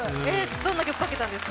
どんな曲をかけたんですか？